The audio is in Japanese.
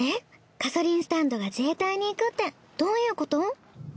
ガソリンスタンドが自衛隊に行くってどういうこと？